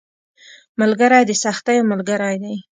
ملګری د سختیو ملګری دی